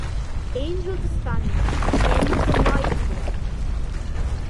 Angelfish disbanded at the end of the Live tour.